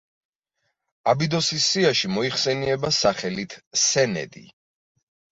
აბიდოსის სიაში მოიხსენიება სახელით სენედი.